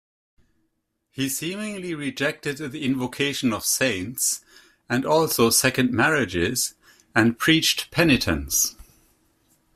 He seemingly rejected the invocation of saints and also second marriages, and preached penitence.